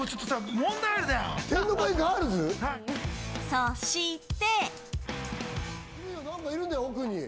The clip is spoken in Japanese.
そ・し・て。